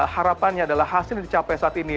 harapannya adalah hasil yang dicapai saat ini